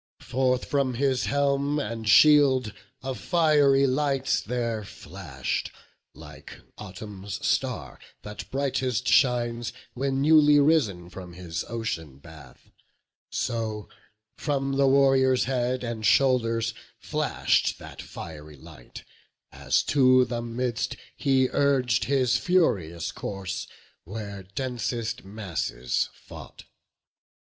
Forth from his helm and shield a fiery light There flash'd, like autumn's star, that brightest shines When newly risen from his ocean bath. So from the warrior's head and shoulders flash'd That fiery light, as to the midst he urg'd His furious course, where densest masses fought.